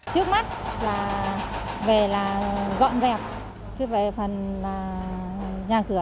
trước mắt về là dọn dẹp trước mắt về phần nhà cửa